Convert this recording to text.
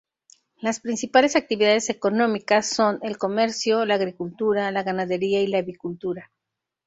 Las principales actividades económicas son el comercio, la agricultura, la ganadería y la avicultura.